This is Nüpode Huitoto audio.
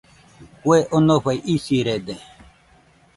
Kue onofai isirede